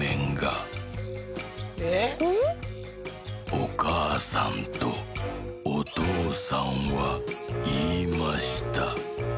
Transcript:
「おかあさんとおとうさんはいいました。